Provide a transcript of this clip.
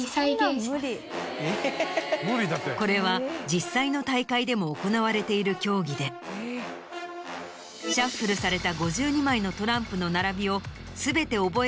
これは実際の大会でも行われている競技でシャッフルされた。